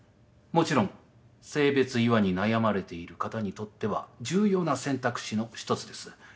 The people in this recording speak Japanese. もちろん性別違和に悩まれている方にとっては重要な選択肢の一つです。